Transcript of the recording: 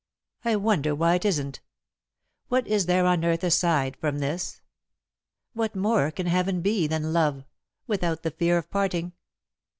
"I wonder why it isn't? What is there on earth aside from this? What more can heaven be than love without the fear of parting?"